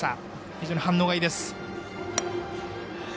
非常に反応がいいです。